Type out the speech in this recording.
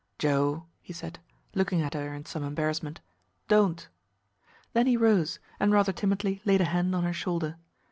"Joe," he said, looking at her in some embarrassment, "don't!" Then he rose and rather timidly laid a hand on her shoulder.